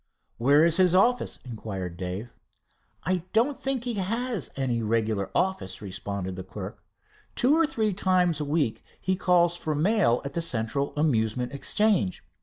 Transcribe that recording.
"Where is his office?" inquired Dave. "I don't think he has any regular office," responded the clerk. "Two or three times a week he calls for mail at the Central Amusement Exchange.